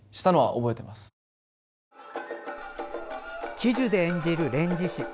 喜寿で演じる「連獅子」。